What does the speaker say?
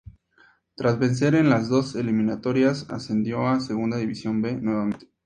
Tras vencer en las dos eliminatorias ascendió a segunda división B nuevamente.